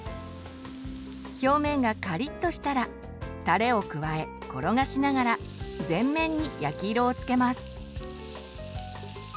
表面がカリッとしたらタレを加え転がしながら全面に焼き色をつけます。